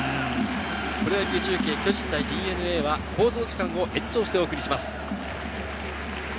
プロ野球中継、巨人対ＤｅＮＡは放送時間を延長してお送りします。